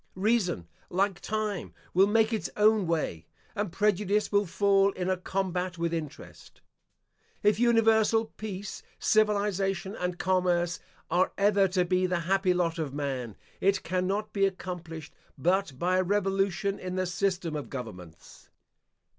Reason, like time, will make its own way, and prejudice will fall in a combat with interest. If universal peace, civilisation, and commerce are ever to be the happy lot of man, it cannot be accomplished but by a revolution in the system of governments.